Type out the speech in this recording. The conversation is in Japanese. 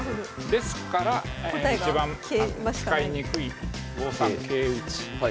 ですから一番使いにくい５三桂打。